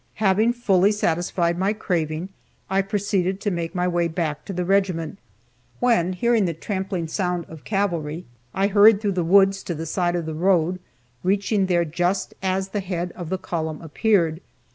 Having fully satisfied my craving, I proceeded to make my way back to the regiment, when hearing the trampling sound of cavalry, I hurried through the woods to the side of the road, reaching there just as the head of the column appeared.